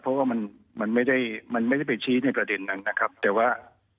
เพราะว่ามันไม่ได้ไปชี้ในประเด็นนั้นนะครับแต่ว่า